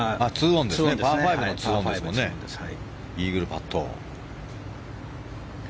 イーグルパット。